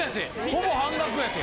ほぼ半額やって。